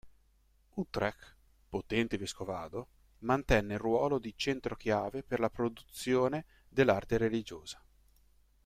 Utrecht, potente vescovado, mantenne il ruolo di centro chiave per la produzione dell'arte religiosa.